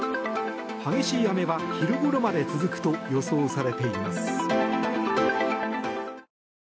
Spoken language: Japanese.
激しい雨は、昼ごろまで続くと予想されています。